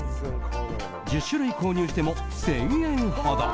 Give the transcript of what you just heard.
１０種類購入しても１０００円ほど。